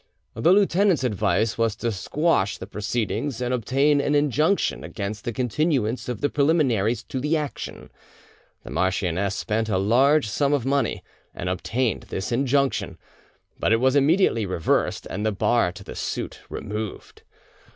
The lieutenant's advice was to quash the proceedings and obtain an injunction against the continuance of the preliminaries to the action. The marchioness spent a large sum of money, and obtained this injunction; but it was immediately reversed, and the bar to the suit removed.